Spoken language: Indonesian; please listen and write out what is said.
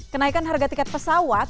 kenaikan harga tiket pesawat